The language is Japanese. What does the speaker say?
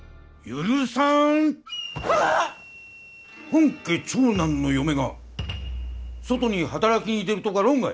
本家長男の嫁が外に働きに出るとか論外。